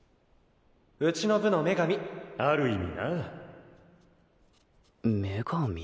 うちの部の女神ある意味なめがみ？